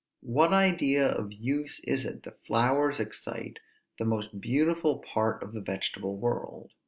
What idea of use is it that flowers excite, the most beautiful part of the vegetable world?